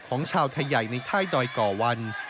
ของชาวไทยใหญ่ในค่ายดอยก่อวัน